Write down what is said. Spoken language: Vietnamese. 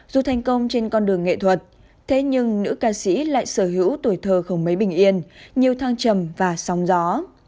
dù thành công trên con đường nghệ thuật thế nhưng nữ ca sĩ lại sở hữu tuổi thơ không mấy bình yên nhiều thăng trầm và sóng gió